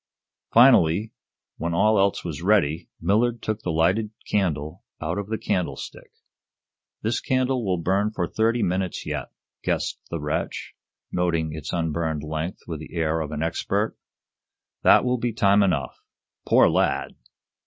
Finally, when all else was ready, Millard took the lighted candle out of the candlestick. "This candle will burn for thirty minutes yet," guessed the wretch, noting its unburned length with the air of an expert "That will be time enough. Poor lad!"